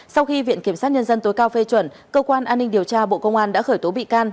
sau khi viện kiểm sát nhân dân tối cao phê chuẩn cơ quan an ninh điều tra bộ công an đã khởi tố bị can